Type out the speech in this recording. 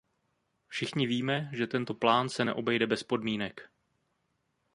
Všichni víme, že tento plán se neobejde bez podmínek.